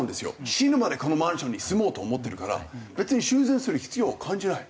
死ぬまでこのマンションに住もうと思ってるから別に修繕する必要を感じない。